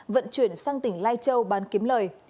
vận chuyển sang tỉnh lai châu bán kiếm lời